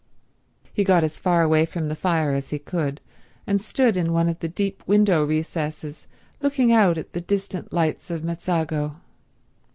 He got as far away from the fire as he could, and stood in one of the deep window recesses looking out at the distant lights of Mezzago.